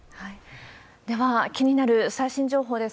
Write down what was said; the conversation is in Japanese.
では、気になる最新情報です。